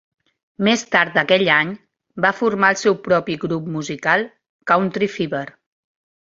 Més tard aquell any, va formar el seu propi grup musical, Country Fever.